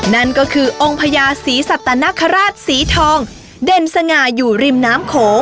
นั่นก็คือองค์พญาศรีสัตนคราชสีทองเด่นสง่าอยู่ริมน้ำโข